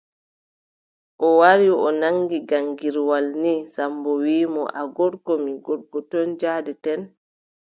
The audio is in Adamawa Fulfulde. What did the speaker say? O wari o naŋgi gaŋgirwal nii, Sammbo wiʼi mo : a gorko, mi gorko, toy njaadeten ?